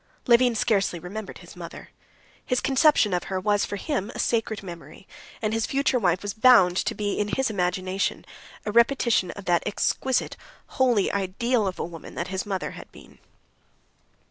Levin scarcely remembered his mother. His conception of her was for him a sacred memory, and his future wife was bound to be in his imagination a repetition of that exquisite, holy ideal of a woman that his mother had been.